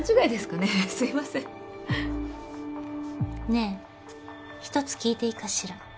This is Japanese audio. ねえ１つ聞いていいかしら？